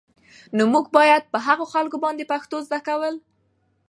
نو موږ بايد پر هغو خلکو باندې پښتو زده کول